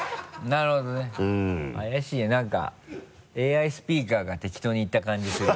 怪しいねなんかＡＩスピーカーが適当に言った感じするよね。